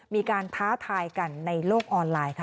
ท้าทายกันในโลกออนไลน์ค่ะ